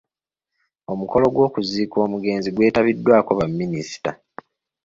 Omukolo gw’okuziika omugenzi gwetabiddwako baminista.